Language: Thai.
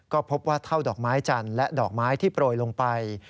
ก็พบว่าเท่าดอกไม้จันทร์และดอกไม้ที่โปรยลงไป